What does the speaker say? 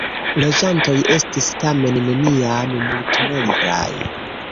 Loĝantoj estis tamen neniam multnombraj.